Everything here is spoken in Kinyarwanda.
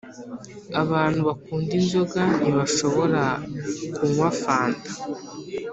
abantu bakunda inzoga ntibashobora nkunywa fanta